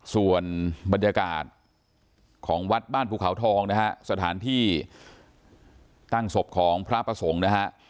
ส่วนบรรยากาศของวัดบ้านภูเขาทองนะฮะสถานที่ตั้งศพของพระประสงค์นะฮะ